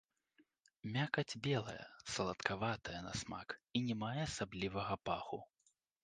Мякаць белая, саладкаватая на смак і не мае асаблівага паху.